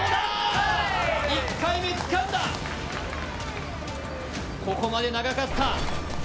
１回目つかんだ、ここまで長かった。